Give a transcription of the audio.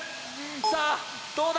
さあどうだ？